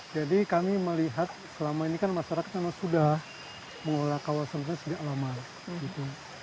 jadi kami melihat selama ini kan masyarakat sudah mengelola kawasan hutan sudah lama gitu